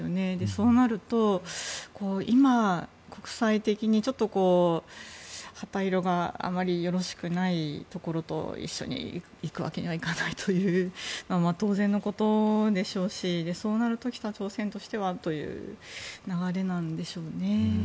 そうなると、今国際的にちょっと旗色があまりよろしくないところと一緒に行くわけにはいかないという当然のことでしょうしそうなると北朝鮮としてはという流れなんでしょうね。